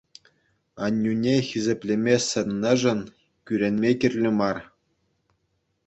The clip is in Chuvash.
Аннӳне хисеплеме сӗннӗшӗн кӳренме кирлӗ мар.